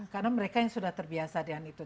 karena mereka yang sudah terbiasa dengan itu